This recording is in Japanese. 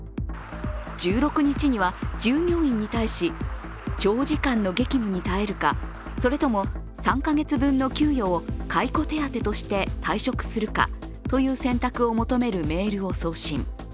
１６日には従業員に対し、長時間の激務に耐えるかそれとも３か月分の給与を解雇手当として退職するかという選択を求めるメールを送信。